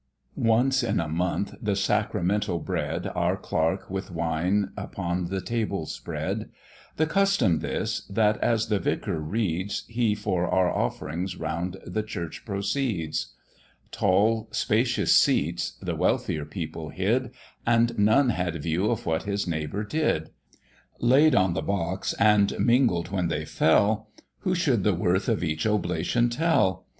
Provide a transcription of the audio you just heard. Once in a month the sacramental bread Our Clerk with wine upon the table spread: The custom this, that as the vicar reads, He for our off'rings round the church proceeds; Tall spacious seats the wealthier people hid, And none had view of what his neighbour did: Laid on the box and mingled when they fell, Who should the worth of each oblation tell?